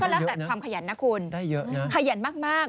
แล้วแต่ความขยันนะคุณขยันมาก